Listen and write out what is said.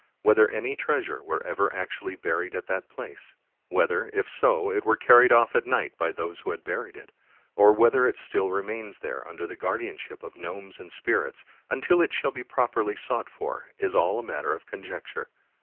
Whether any treasure were ever actually buried at that place; whether, if so, it were carried off at night by those who had buried it; or whether it still re mains there under the guardianship of gnomes and spirits until it shall be properly sought for, is all matter of conjec ture.